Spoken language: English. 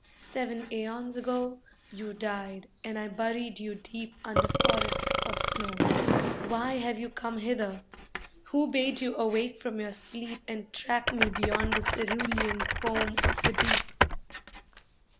Seven aeons ago You died and I buried you deep under forests of snow. Why have you come hither? Who bade you awake from your sleep And track me beyond the cerulean foam of the deep?